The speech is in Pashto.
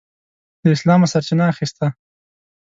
له اسلامه سرچینه اخیسته.